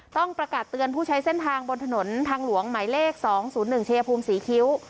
ต้องประกาศเตือนผู้ใช้เส้นทางบนถนนทางหลวงหมายเลข๒๐๑ชัยภูมิศรีคิ้ว